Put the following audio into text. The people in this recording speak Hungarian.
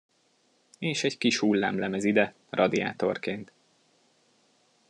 És egy kis hullámlemez ide, radiátorként.